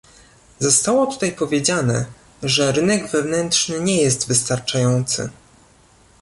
Zostało tutaj powiedziane, że rynek wewnętrzny nie jest wystarczający